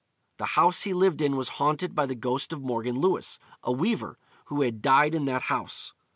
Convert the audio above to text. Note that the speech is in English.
The house he lived in was haunted by the ghost of Morgan Lewis, a weaver, who had died in that house.